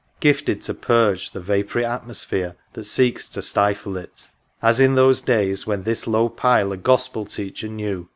Gifted to purge the vapoury atmosphere That seeks to stifle it ;— as in those days W^hen this low Pile a Gospel Teacher knew.